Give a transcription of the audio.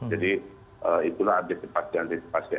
jadi itulah antisipasi antisipasi